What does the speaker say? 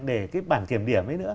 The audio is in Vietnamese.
để cái bản kiểm điểm